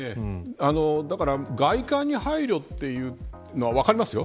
だから、外観に配慮というのは分かりますよ。